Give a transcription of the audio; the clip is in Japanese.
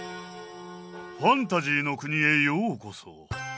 ファンタジーの国へようこそ！